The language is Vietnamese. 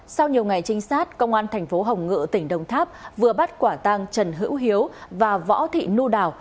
sau nhiều ngày trinh sát công an tp hồng ngự tỉnh đông tháp vừa bắt quả tăng trần hữu hiếu và võ thị nu đào